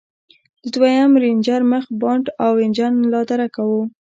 د دويم رېنجر مخ بانټ او انجن لادرکه و.